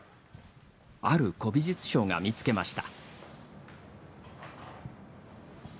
ある古美術商が見つけました。